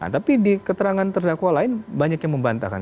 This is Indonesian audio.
tapi di keterangan terdakwa lain banyak yang membantahkan